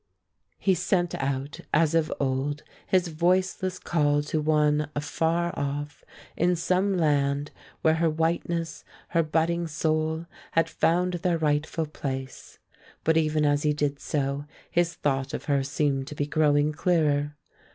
He sent out as of old his voiceless call to one afar off, in some land where her whiteness, her budding soul, had found their rightful place; but even as he did so, his thought of her seemed to be growing clearer.